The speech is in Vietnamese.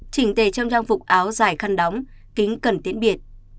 chỉnh tề trong trang phục áo dài khăn đóng kính cẩn tiễn biệt